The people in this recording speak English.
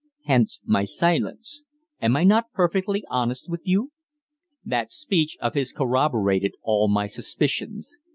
Hence my silence. Am I not perfectly honest with you?" That speech of his corroborated all my suspicions.